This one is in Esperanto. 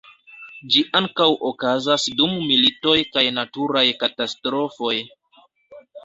Ĝi ankaŭ okazas dum militoj kaj naturaj katastrofoj.